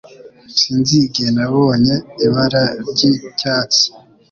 Sinzi igihe nabonye ibara ryi cyatsi